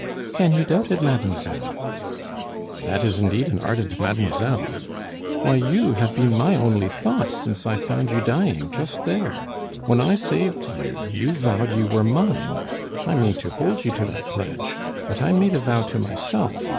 "Can you doubt it, mademoiselle?" "That is indeed an ardent mademoiselle! Why, you have been my only thought since I found you dying just there. When I saved you, you vowed you were mine, I mean to hold you to that pledge; but I made a vow to myself!